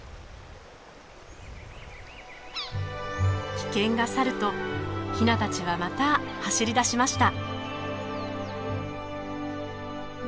危険が去るとヒナたちはまた走りだしました。